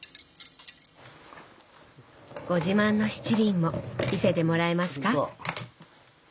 ご自慢の七輪も見せてもらえますか？